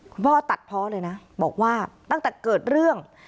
พ่อตัดเพาะเลยนะบอกว่าตั้งแต่เกิดเรื่อง